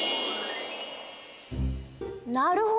なるほど！